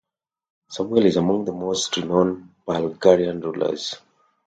Samuel is among the most renowned Bulgarian rulers.